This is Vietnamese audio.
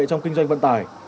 trong kinh doanh vận tài